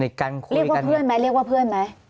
เรียกว่าเพื่อนไหมเรียกว่าเพื่อนไหม